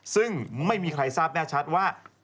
ซึ่งไม่มีใครทราบแน่ชัดว่า